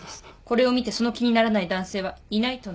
これを見てその気にならない男性はいないとのことで。